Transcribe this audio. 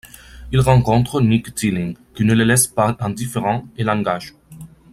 Ils rencontrent Nick Teeling, qui ne les laisse pas indifférents, et l'engagent.